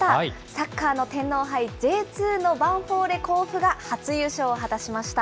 サッカーの天皇杯、Ｊ２のヴァンフォーレ甲府が初優勝を果たしました。